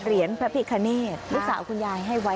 เหรียญพระพิฆาเนตลูกสาวคุณยายให้ไว้